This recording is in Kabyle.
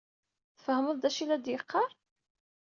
Tfehmeḍ d aci i la d-yeqqaṛ?